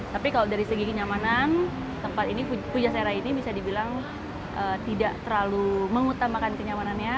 tapi kalau dari segi kenyamanan tempat ini puja serai ini bisa dibilang tidak terlalu mengutamakan kenyamanannya